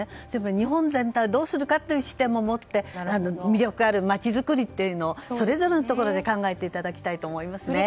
日本全体はどうするかという視点も持って魅力ある街づくりをそれぞれのところで考えていただきたいと思いますね。